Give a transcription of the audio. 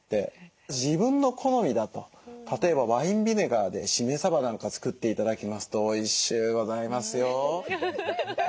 自分の好みだと例えばワインビネガーでしめさばなんか作って頂きますとおいしゅうございますよ。